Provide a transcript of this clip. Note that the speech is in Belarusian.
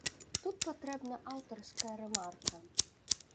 Тут патрэбна аўтарская рэмарка.